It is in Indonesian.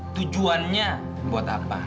tujuannya buat apa